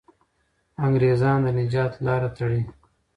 انګریزان د نجات لاره تړي.